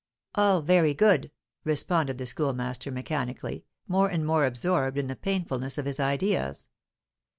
"All very good," responded the Schoolmaster mechanically, more and more absorbed in the painfulness of his ideas.